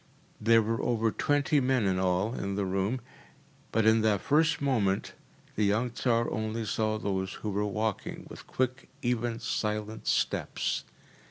There were over twenty men in all in the room, but in that first moment the young Tsar only saw those who were walking with quick, even, silent steps.